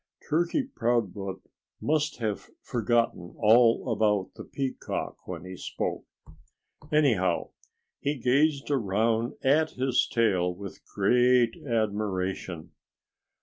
Turkey Proudfoot must have forgotten all about the peacock, when he spoke. Anyhow, he gazed around at his tail with great admiration.